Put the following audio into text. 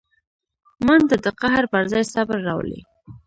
منډه د قهر پر ځای صبر راولي